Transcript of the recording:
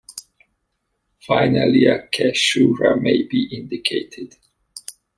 Finally, a caesura may be indicated.